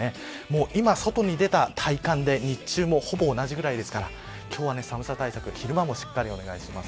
今、外に出た体感で日中もほぼ同じくらいですから今日は昼間も寒さ対策をしっかりお願いします。